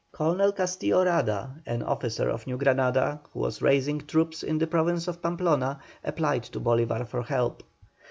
Colonel Castillo Rada, an officer of New Granada, who was raising troops in the Province of Pamplona, applied to Bolívar for help.